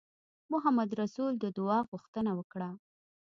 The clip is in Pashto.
محمدرسول د دعا غوښتنه وکړه.